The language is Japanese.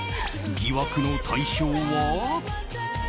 疑惑の対象は。